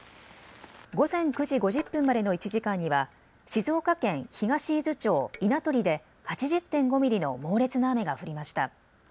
午前９時５０分までの１時間には静岡県東伊豆町稲取で８０．５ミリの猛烈な雨が降りました。